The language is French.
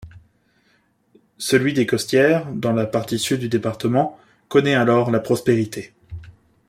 Celui des Costières, dans la partie sud du département, connaît alors la prospérité.